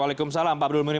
waalaikumsalam pak abdul munim